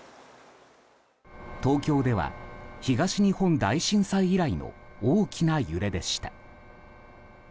東京では、東日本大震災以来の大きな揺れでした。